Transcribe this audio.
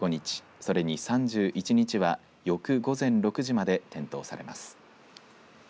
それに３１日は翌午前６時まで点灯されます。